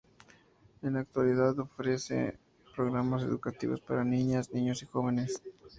En la actualidad, ofrece programas educativos para niñas, niños y jóvenes.